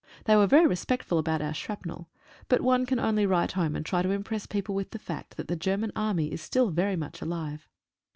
They were very respectful about our shrapnel, but one can only write home and try to impress people with the fact that the German Army is still very much alive.